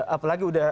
apalagi sudah teruji